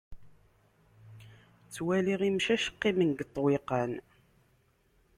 Ttwaliɣ imcac qqimen deg ṭṭwiqan.